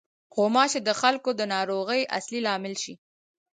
غوماشې د خلکو د ناروغۍ اصلي لامل شي.